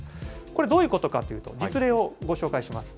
これ、どういうことかというと、実例をご紹介します。